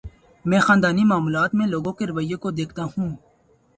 میں خاندانی معاملات میں لوگوں کے رویے کو دیکھتا ہوں۔